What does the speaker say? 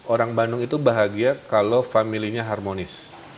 orang bandung itu bahagia kalau familynya harmonis